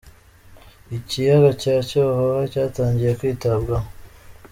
Ikiyaga cya Cyohoha cyatangiye kwitabwaho